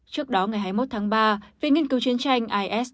trước đó ngày hai mươi một tháng ba viện nghiên cứu chiến tranh is